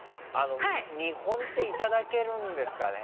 見本っていただけるんですかね？